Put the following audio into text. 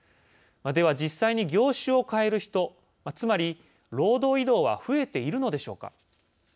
では、実際に業種を変える人つまり、労働移動は増えているのでしょうか。